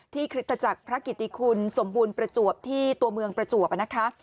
คริสตจักรพระกิติคุณสมบูรณ์ประจวบที่ตัวเมืองประจวบนะคะ